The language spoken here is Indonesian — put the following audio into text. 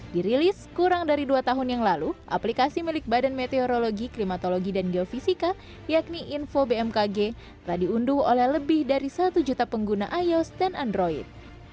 dirilis kurang dari dua tahun yang lalu aplikasi milik badan meteorologi klimatologi dan geofisika yakni info bmkg telah diunduh oleh lebih dari satu juta pengguna ios dan android